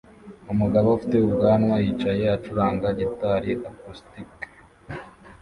umugabo ufite ubwanwa yicaye acuranga gitari acoustic